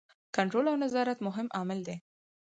کنټرول او نظارت مهم عامل دی.